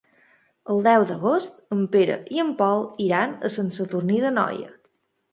El deu d'agost en Pere i en Pol iran a Sant Sadurní d'Anoia.